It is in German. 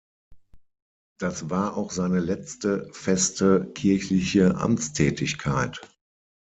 Das war auch seine letzte feste kirchliche Amtstätigkeit.